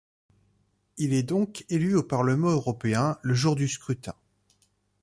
Il est donc élu au Parlement européen le jour du scrutin.